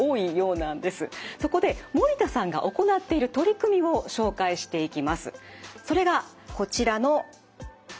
そこで守田さんが行っている取り組みを紹介していきます。